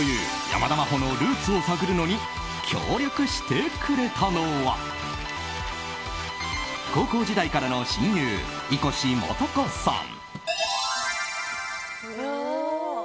山田真歩のルーツを探るのに協力してくれたのは高校時代からの親友井越基子さん。